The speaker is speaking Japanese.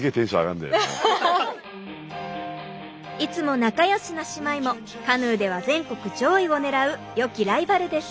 いつも仲よしな姉妹もカヌーでは全国上位を狙うよきライバルです。